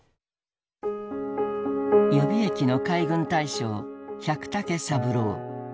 予備役の海軍大将百武三郎。